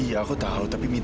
aku tunggu telfon